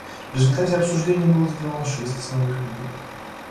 В результате обсуждений было сделано шесть основных выводов.